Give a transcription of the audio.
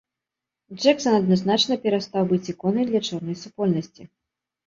Джэксан адназначна перастаў быць іконай для чорнай супольнасці.